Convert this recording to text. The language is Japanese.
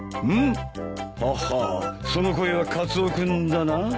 ははあその声はカツオ君だな。